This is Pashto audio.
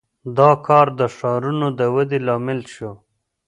• دا کار د ښارونو د ودې لامل شو.